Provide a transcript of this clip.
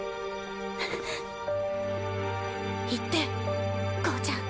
行って向ちゃん。